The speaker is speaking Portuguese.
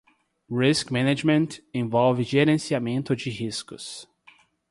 Risk Management envolve gerenciamento de riscos.